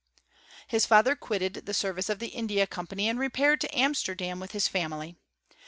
His father quitted the service of the India Com pany and repaired to Amsterdam with his family.